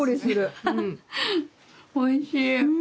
おいしい。